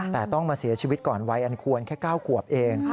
แต่ต้องมาเสียชีวิตก่อนวัยอันควรแค่๙ขวบเอง